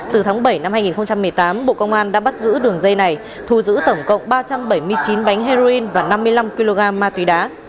từ tháng bảy năm hai nghìn một mươi tám bộ công an đã bắt giữ đường dây này thu giữ tổng cộng ba trăm bảy mươi chín bánh heroin và năm mươi năm kg ma túy đá